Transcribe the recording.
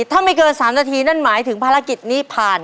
ถ้าไม่เกิน๓นาทีนั่นหมายถึงภารกิจนี้ผ่าน